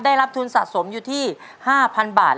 ได้รับทุนสะสมอยู่ที่๕๐๐๐บาท